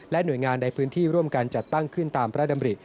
หน่วยงานในพื้นที่ร่วมกันจัดตั้งขึ้นตามพระดำริ